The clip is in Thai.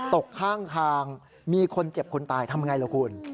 ตกข้างทางมีคนเจ็บคนตายทำอย่างไรละฮู